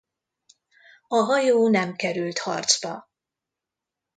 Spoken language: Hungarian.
A hajó nem került harcba.